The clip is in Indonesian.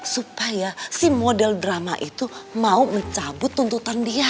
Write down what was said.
supaya si model drama itu mau mencabut tuntutan dia